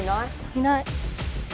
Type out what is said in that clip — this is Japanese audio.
いない。